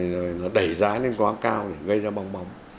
rồi nó đẩy giá lên quá cao để gây ra bong bóng